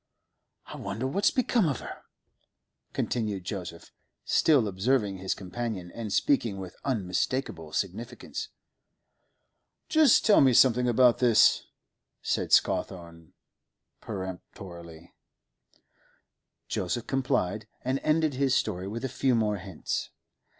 'I wonder what's become of her?' continued Joseph, still observing his companion, and speaking with unmistakable significance. 'Just tell me something about this,' said Scawthorne peremptorily. Joseph complied, and ended his story with a few more hints.